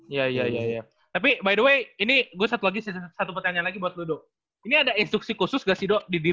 iya iya iya tapi by the way ini gua satu lagi pertanyaan lagi buat lu do ini ada instruksi khusus gak sih do di defense lu